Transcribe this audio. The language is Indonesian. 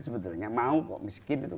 sebetulnya mau kok miskin itu